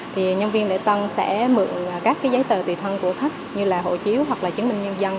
thì nhân viên lễ tân sẽ mượn các giấy tờ tùy thân của khách như hộ chiếu hoặc chứng minh nhân dân